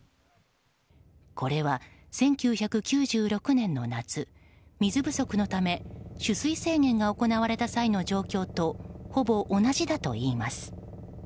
これは１９９６年の夏水不足のため取水制限が行われた際の状況とほぼ同じだといいます。